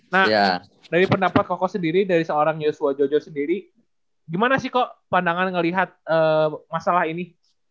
nah dari pendapat koko sendiri dari seorang yuswa jojo sendiri gimana sih kok pandangan ngelihat masalah ini